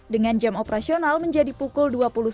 dengan jam operasional menjadi pukul dua puluh satu